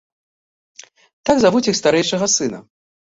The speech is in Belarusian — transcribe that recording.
Так завуць іх старэйшага сына.